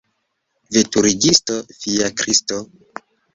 Veturigisto fiakristo!